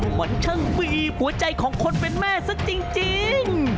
เหมือนช่างบีบหัวใจของคนเป็นแม่ซะจริง